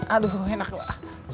aduh enak wak